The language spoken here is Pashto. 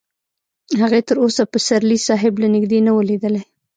هغې تر اوسه پسرلي صاحب له نږدې نه و لیدلی